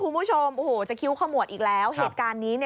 เมื่อยแก้มไหม